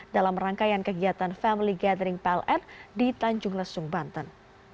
dalam rangkaian kegiatan family gathering pln di tanjung lesung banten